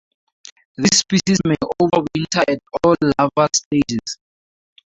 This species may overwinter at all larval stages.